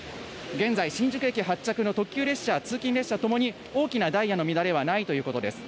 現在、新宿駅発着の特急列車、通勤列車ともに大きなダイヤの乱れはないということです。